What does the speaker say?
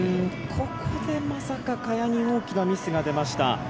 ここでまさか萱に大きなミスが出ました。